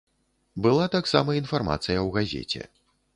Была таксама інфармацыя ў газеце.